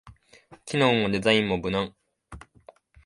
機能もデザインも無難